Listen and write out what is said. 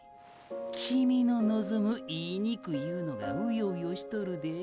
キミィの望む“いいにく”いうのがうようよしとるで。